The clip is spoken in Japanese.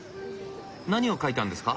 何を書いたんですか？